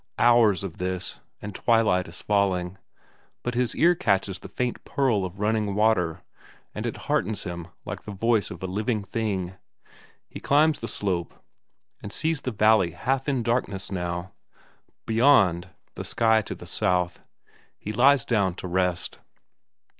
Hours of this, and twilight is falling, but his ear catches the faint purl of running water, and it heartens him like the voice of a living thing. He climbs the slope, and sees the valley half in darkness below; beyond, the sky to the south. He lies down to rest.